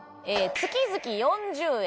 月々４０円。